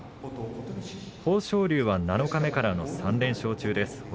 豊昇龍は七日目からの３連勝中です。